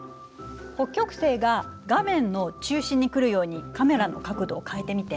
北極星が画面の中心に来るようにカメラの角度を変えてみて。